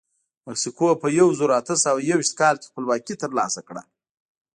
مکسیکو په یو زرو اته سوه یوویشت کال کې خپلواکي ترلاسه کړه.